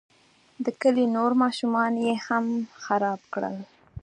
د کلي نور ماشومان یې هم خراب کړل.